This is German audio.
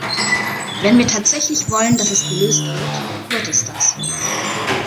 Wenn wir tatsächlich wollen, dass es gelöst wird, wird es das.